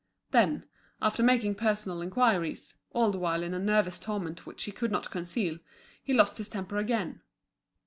Then, after making personal inquiries, all the while in a nervous torment which he could not conceal, he lost his temper again.